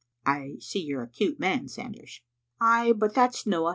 '"*' I see you are a cute man, Sanders. "" Ay, but that's no' a'.